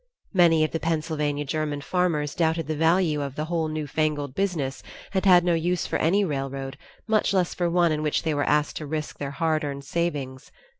Many of the Pennsylvania German farmers doubted the value of "the whole new fangled business," and had no use for any railroad, much less for one in which they were asked to risk their hard earned savings.